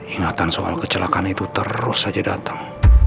ingatan soal kecelakaan itu terus saja datang